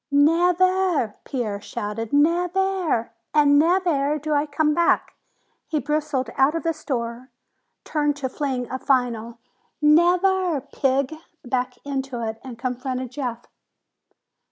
"Nev air!" Pierre shouted. "Nev air, and nev air do I come back!" He bristled out of the store, turned to fling a final "Nev air, pig!" back into it, and confronted Jeff.